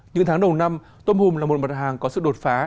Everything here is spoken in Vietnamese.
những tháng đầu năm tôm hùm là một mặt hàng có sự đột phá